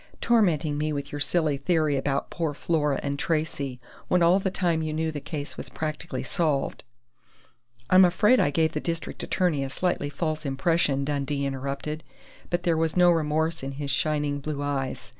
"Tormenting me with your silly theory about poor Flora and Tracey, when all the time you knew the case was practically solved " "I'm afraid I gave the district attorney a slightly false impression," Dundee interrupted, but there was no remorse in his shining blue eyes.